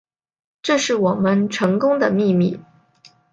这是我们成功的秘密